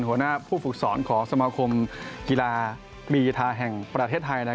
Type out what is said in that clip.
หัวหน้าผู้ฝึกสอนของสมาคมกีฬากรีธาแห่งประเทศไทย